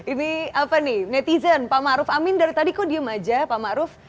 ini apa nih netizen pak maruf amin dari tadi kok diem aja pak ⁇ maruf ⁇